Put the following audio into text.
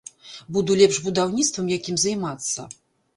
Буду лепш будаўніцтвам якім займацца!